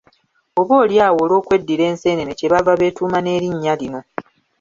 Oboolyawo olw’okweddira enseenene kye baava beetuuma n’erinnya lino.